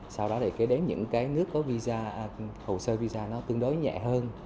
sau đó để kế đến những nước có khẩu sơ visa tương đối nhẹ hơn